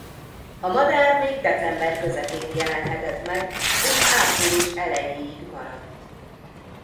A madár még december közepén jelenhetett meg és április elejéig maradt.